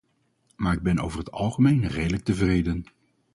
Maar ik ben over het algemeen redelijk tevreden.